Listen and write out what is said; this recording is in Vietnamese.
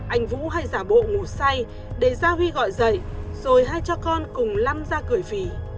anh vũ hay giả bộ ngủ say để giao huy gọi dậy rồi hai cha con cùng lăm ra cười phỉ